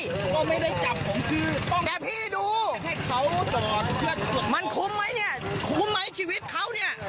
ก็ไม่ได้จับผมแต่พี่ดูมันคุ้มไหมเนี่ยคุ้มไหมชีวิตเขาเนี่ย